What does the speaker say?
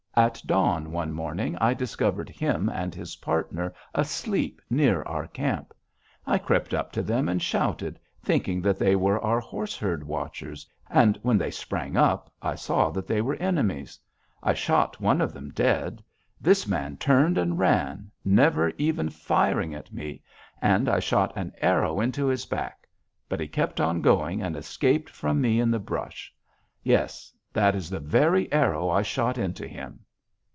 At dawn, one morning, I discovered him and his partner asleep near our camp. I crept up to them and shouted, thinking that they were our horseherd watchers, and when they sprang up, I saw that they were enemies. I shot one of them dead. This man turned and ran, never even firing at me, and I shot an arrow into his back, but he kept on going and escaped from me in the brush! Yes. That is the very arrow I shot into him!'